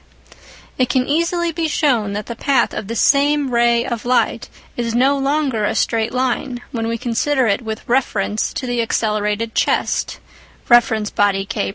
It can easily be shown that the path of the same ray of light is no longer a straight line when we consider it with reference to the accelerated chest (reference body K1).